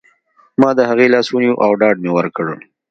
ما د هغې لاس ونیو او ډاډ مې ورکړ